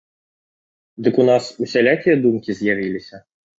Дык у нас усялякія думкі з'явіліся.